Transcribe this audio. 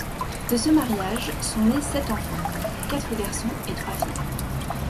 De ce mariage sont nés sept enfants, quatre garçons et trois filles.